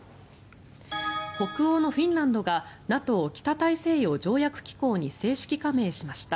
北欧のフィンランドがＮＡＴＯ・北大西洋条約機構に正式加盟しました。